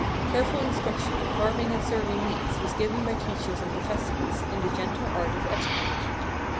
Careful instruction in carving and serving meats was given by teachers and professors in the gentle art of etiquette.